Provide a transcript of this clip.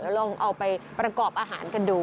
ลองเอาไปประกอบอาหารกันดู